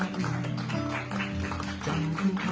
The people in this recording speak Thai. ดีจริง